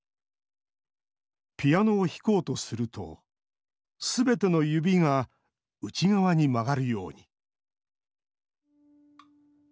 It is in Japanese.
ピアノを弾こうとするとすべての指が内側に曲がるように。